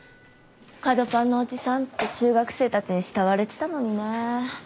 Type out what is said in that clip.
カドパンのおじさんって中学生たちに慕われてたのにね。